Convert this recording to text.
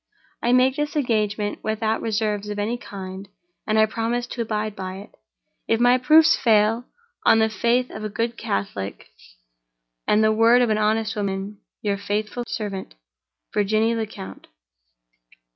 I make this engagement without reserves of any kind; and I promise to abide by it—if my proofs fail—on the faith of a good Catholic, and the word of an honest woman. Your faithful servant, "VIRGINIE LECOUNT."